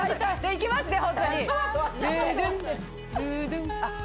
いきますね。